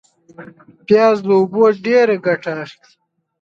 پیاز له اوبو ډېر ګټه اخلي